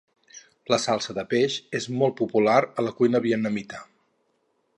La salsa de peix és molt popular a la cuina vietnamita.